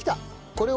これを。